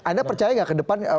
anda percaya nggak ke depan